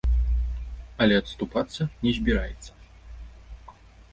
Але адступацца не збіраецца.